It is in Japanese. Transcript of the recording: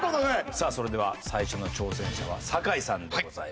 さあそれでは最初の挑戦者は坂井さんでございます。